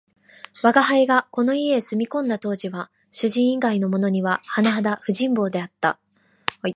吾輩がこの家へ住み込んだ当時は、主人以外のものにははなはだ不人望であった